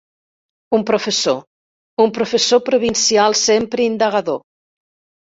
Un professor, un professor provincial, sempre indagador.